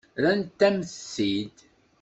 Rrant-am-t-id.